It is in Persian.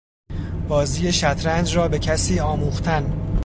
بازی شطرنج را به کسی آموختن